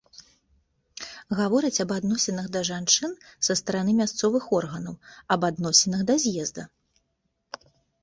Гавораць аб адносінах да жанчын са стараны мясцовых органаў, аб адносінах да з'езда.